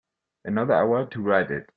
Another hour to write it.